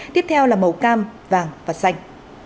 tiếp theo là màu cam vàng và xanh